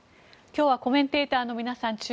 今日はコメンテーターの皆さん